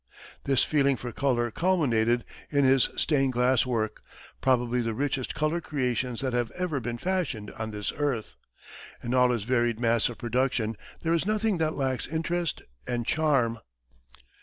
This feeling for color culminated in his stained glass work probably the richest color creations that have ever been fashioned on this earth. In all his varied mass of production there is nothing that lacks interest and charm.